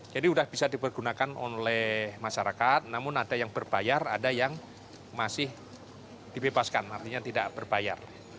jadi sudah bisa dipergunakan oleh masyarakat namun ada yang berbayar ada yang masih dibebaskan artinya tidak berbayar